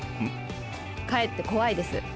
かえって怖いです。